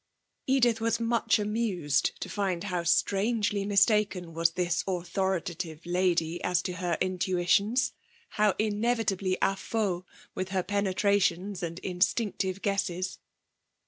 Edith was much amused to find how strangely mistaken was this authoritative lady as to her intuitions, how inevitably à faux with her penetrations and her instinctive guesses.